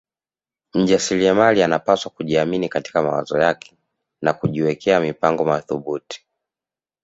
Mjasiliamali anapaswa kujiamini katika mawazo yake na kujiwekea mipango mathubuti